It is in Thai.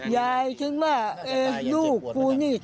ยายถึงว่าเองลูกกูนี่